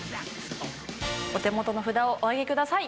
お手元の札をお上げください。